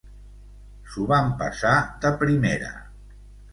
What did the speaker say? S'ho van passar de primera